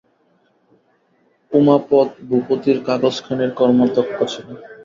উমাপদ ভূপতির কাগজখানির কর্মাধ্যক্ষ ছিল।